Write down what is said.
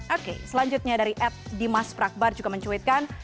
oke selanjutnya dari app dimas fragbar juga mencuitkan